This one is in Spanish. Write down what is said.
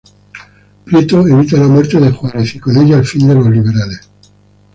Prieto evita la muerte de Juárez y con ella el fin de los liberales.